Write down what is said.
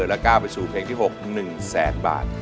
และก้าวไปสู่เพลงที่๖๑แสนบาท